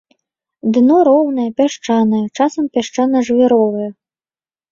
Дно роўнае, пясчанае, часам пясчана-жвіровае.